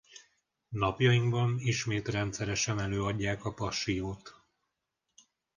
Napjainkban ismét rendszeresen előadják a Passiót.